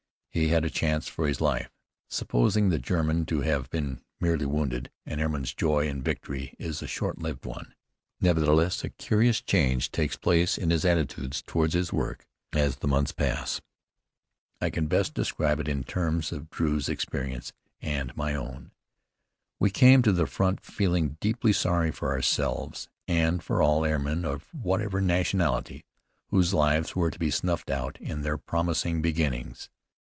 He had a chance for his life. Supposing the German to have been merely wounded An airman's joy in victory is a short lived one. Nevertheless, a curious change takes place in his attitude toward his work, as the months pass. I can best describe it in terms of Drew's experience and my own. We came to the front feeling deeply sorry for ourselves, and for all airmen of whatever nationality, whose lives were to be snuffed out in their promising beginnings.